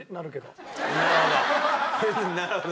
なるほど。